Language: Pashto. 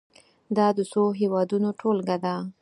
دا د څو هېوادونو ټولګه ده.